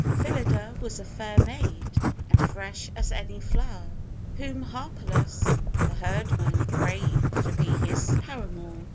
Phylida was a fair maid And fresh as any flower, Whom Harpalus the herdman prayed To be his paramour.